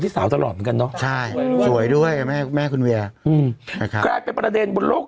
ซองกันอยู่นาน